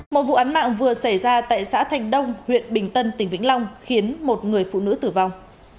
một vụ án mạng vừa xảy ra tại xã thành đông huyện bình tân tỉnh vĩnh long khiến một người phụ nữ tử vong